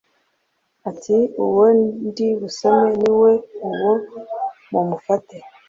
ati Uwo ndi busome ni we uwo mumufate